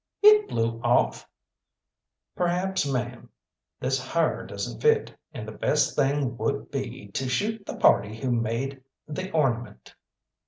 "It blew off!" "Perhaps, ma'am, this ha'r doesn't fit, and the best thing would be to shoot the party who made the ornament.